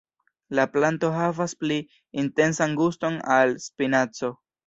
La planto havas pli intensan guston al spinaco.